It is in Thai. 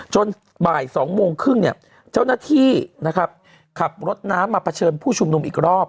จนบ่าย๒โมงครึ่งเจ้าหน้าที่ขับรถน้ำมาเผชิญผู้ชุมนุมอีกรอบ